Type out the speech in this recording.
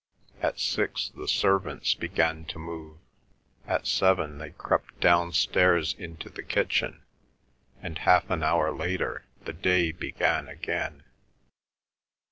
At six the servants began to move; at seven they crept downstairs into the kitchen; and half an hour later the day began again.